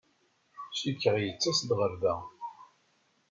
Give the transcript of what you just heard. Cikkeɣ yettas-d ɣer da.